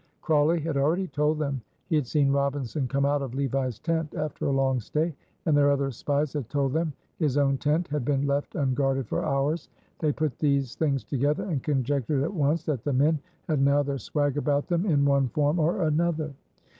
Crawley had already told them he had seen Robinson come out of Levi's tent after a long stay, and their other spies had told them his own tent had been left unguarded for hours. They put these things together and conjectured at once that the men had now their swag about them in one form or other.